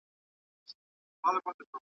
د خصوصي سکتور په فکر او زيار اقتصاد جوړيږي.